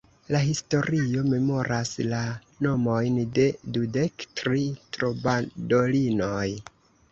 La historio memoras la nomojn de dudek tri trobadorinoj.